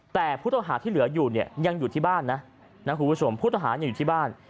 แต่ผู้ต่อหาที่เหลืออยู่ยังอยู่ที่บ้านนะคุณผู้สมผู้ต่อหาอยู่ที่บ้าน